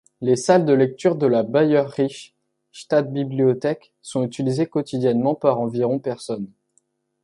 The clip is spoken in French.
Les salles de lecture de la Bayerische Staatsbibliothek sont utilisées quotidiennement par environ personnes.